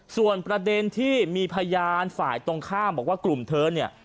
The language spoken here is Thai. ส่วนประเด็นที่มีพยานฝ่ายตรงข้ามบอกว่ากลุ่มเธอเนี่ย